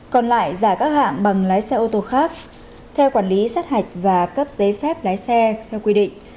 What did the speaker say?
còn lại giả các hạng bằng lái xe ô tô khác theo quản lý sát hạch và cấp giấy phép lái xe theo quy định